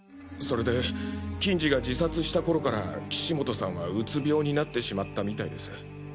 それで欣二が自殺した頃から岸本さんはうつ病になってしまったみたいです。